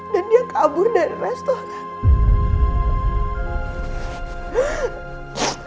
dan dia kabur dari restoran